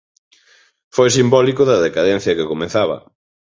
Foi simbólico da decadencia que comezaba.